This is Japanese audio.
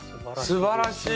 すばらしい！